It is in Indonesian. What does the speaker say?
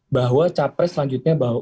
bahwa capres selanjutnya